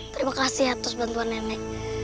terima kasih atas bantuan nenek